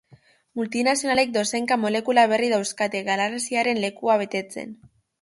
Multinazionalek dozenaka molekula berri dauzkate galaraziaren lekua betetzen.